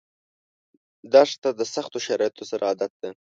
دښته د سختو شرایطو سره عادت ده.